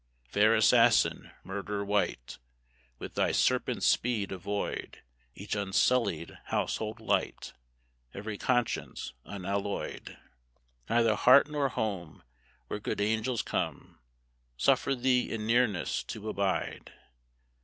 Fair assassin, murder white, With thy serpent speed avoid Each unsullied household light, Every conscience unalloyed. Neither heart nor home Where good angels come Suffer thee in nearness to abide.